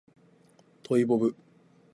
トイボブ